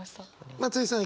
松居さん